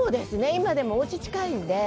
今もおうち近いので。